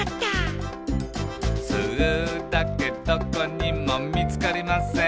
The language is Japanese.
「スーだけどこにもみつかりません」